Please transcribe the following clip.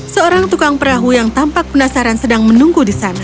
seorang tukang perahu yang tampak penasaran sedang menunggu di sana